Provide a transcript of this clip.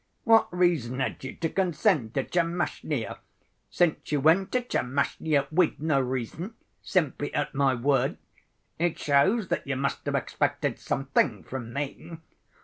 What reason had you to consent to Tchermashnya? Since you went to Tchermashnya with no reason, simply at my word, it shows that you must have expected something from me."